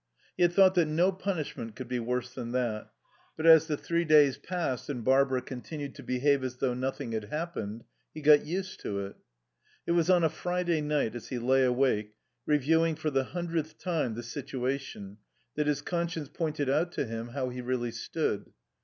He had thought that no punishment could be worse than that, but as the three days passed and Barbara continued to behave as though nothing had happened, he got used to it. It was on a Friday night, as he lay awake, reviewing for the hundredth time the situation, that his conscience pointed out to him how he really stood.